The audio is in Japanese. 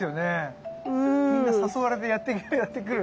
みんな誘われてやって来る。